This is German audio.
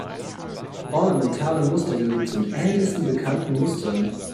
Ornamentale Muster gehören zu den ältesten bekannten Mustern.